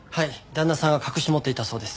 旦那さんが隠し持っていたそうです。